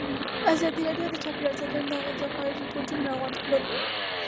ازادي راډیو د چاپیریال ساتنه د اغېزو په اړه ریپوټونه راغونډ کړي.